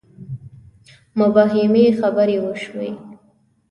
مبهمې خبرې وشوې.